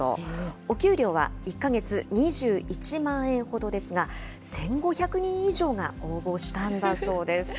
お給料は１か月２１万円ほどですが、１５００人以上が応募したそうです。